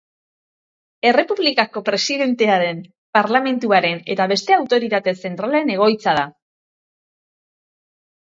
Errepublikako presidentearen, parlamentuaren eta beste autoritate zentralen egoitza da.